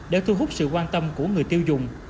để thu hút sự quan tâm của người tiêu dùng